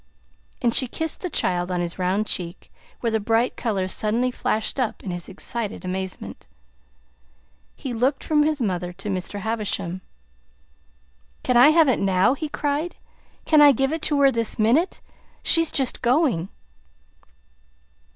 And she kissed the child on his round cheek, where the bright color suddenly flashed up in his excited amazement. He looked from his mother to Mr. Havisham. "Can I have it now?" he cried. "Can I give it to her this minute? She's just going."